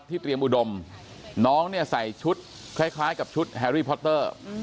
เตรียมอุดมน้องเนี่ยใส่ชุดคล้ายกับชุดแฮรี่พอตเตอร์